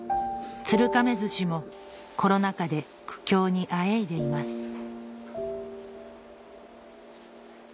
鶴亀鮨もコロナ禍で苦境にあえいでいます